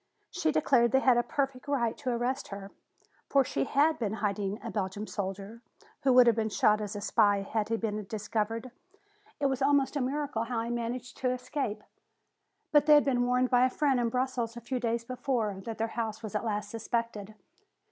She declared they had a perfect right to arrest her. For she had been hiding a Belgian soldier who would have been shot as a spy if he had been discovered. It was almost a miracle how he managed to escape. But they had been warned by a friend in Brussels a few days before, that their house was at last suspected.